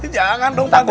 jangan dong pak deh